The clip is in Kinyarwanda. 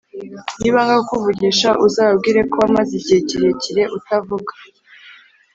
Nibanga kukuvugisha uzababwire ko wamaze igihe kirekire utavuga